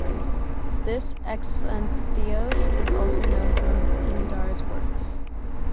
This Euxanthios is also known from Pindar's works.